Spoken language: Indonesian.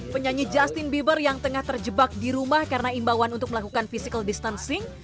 penyanyi justin bieber yang tengah terjebak di rumah karena imbauan untuk melakukan physical distancing